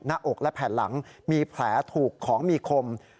หน้าอกและแผ่นหลังมีแผลถูกของมีคม